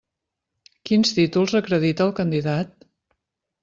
Quins títols acredita el candidat?